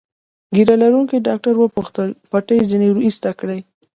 ږیره لرونکي ډاکټر وپوښتل: پټۍ ځینې ایسته کړي؟